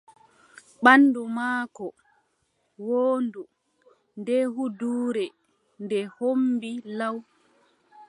Banndu maako woondu, nde huuduure ndee hommbi law.